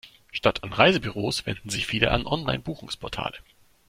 Statt an Reisebüros wenden sich viele an Online-Buchungsportale.